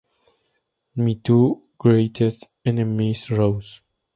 My two greatest enemies, Ross.